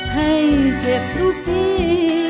ให้เจ็บทุกที